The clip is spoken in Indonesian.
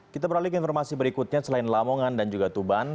kita beralih ke informasi berikutnya selain lamongan dan juga tuban